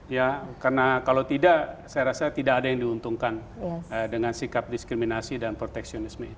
ya karena kalau tidak saya rasa tidak ada yang diuntungkan dengan sikap diskriminasi dan proteksionisme